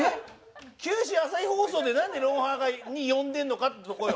九州朝日放送でなんで『ロンハー』に呼んでるのかってとこよ。